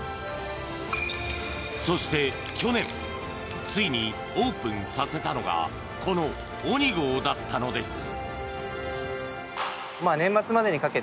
そして、昨年ついにオープンさせたのがこのＯｎｉＧＯだったのです。